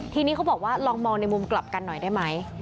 ทีนี้เขาบอกว่าลองมองในมุมกลับกันหน่อยได้ไหม